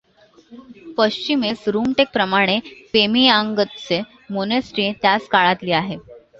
पश्चिमेस रुमटेकप्रमाणे पेमियांगत्से मोनेस्ट्री त्याच काळातली आहे.